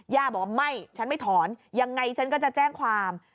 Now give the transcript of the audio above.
ย่าบอกว่าไม่ฉันไม่ถอนยังไงฉันก็จะแจ้งความ